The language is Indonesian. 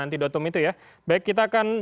antidotum itu ya baik kita akan